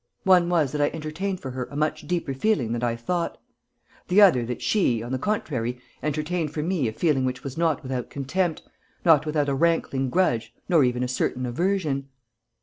One was that I entertained for her a much deeper feeling than I thought; the other that she, on the contrary, entertained for me a feeling which was not without contempt, not without a rankling grudge nor even a certain aversion."